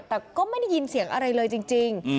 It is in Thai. แต่ก็ไม่ได้ยินเสียงอะไรเลยจริง